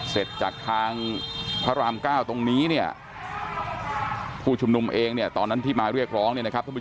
เสร็จจากทางพระรามเก้าตรงนี้ผู้ชมนุมเองตอนนั้นที่มาเรียกร้อง